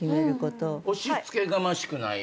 押し付けがましくない。